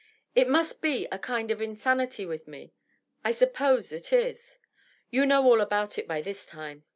It must be a kind of insanity with me ; I suppose it is. You know all about it by this time.